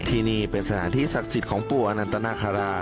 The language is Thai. ที่นี่เป็นสถานที่ศักดิ์สิทธิ์ของปู่อนันตนาคารา